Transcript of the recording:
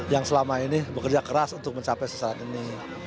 yang selama ini bekerja keras untuk mencapai sesaat ini